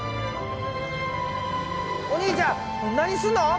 お兄ちゃん何すんの？